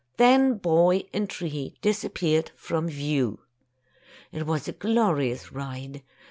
Then boy and tree disappeared from view. It was a glorious ride.